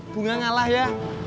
bunga ngalah ya